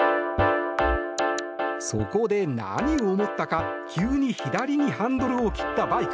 そこで、何を思ったか急に左にハンドルを切ったバイク。